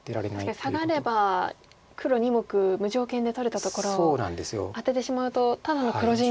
確かにサガれば黒２目無条件で取れたところをアテてしまうとただの黒地に。